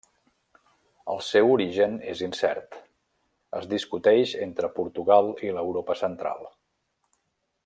El seu origen és incert; es discuteix entre Portugal i l’Europa central.